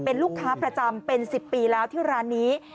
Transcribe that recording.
เป็นลูกค้าประจำเป็น๑๐ปีแล้วที่ร้านนี้